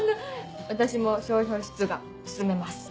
私も商標出願進めます。